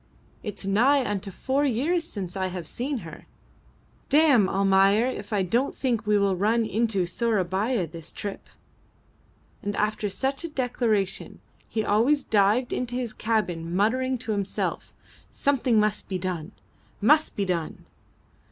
"It's nigh unto four years since I have seen her! Damme, Almayer, if I don't think we will run into Sourabaya this trip." And after such a declaration he always dived into his cabin muttering to himself, "Something must be done must be done."